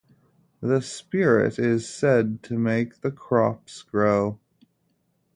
The spirit is said to make the crops grow.